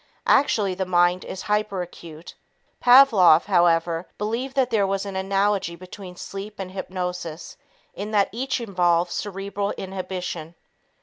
Actually, the mind is hyperacute. Pavlov, however, believed that there was an analogy between sleep and hypnosis in that each involved cerebral inhibition.